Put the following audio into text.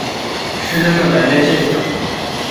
失真的改变现象。